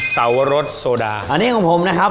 สาวรสโซดา